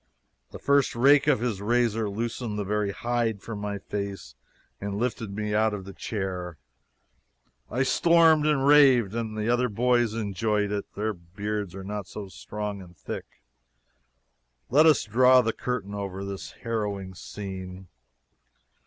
The first rake of his razor loosened the very hide from my face and lifted me out of the chair. I stormed and raved, and the other boys enjoyed it. Their beards are not strong and thick. Let us draw the curtain over this harrowing scene.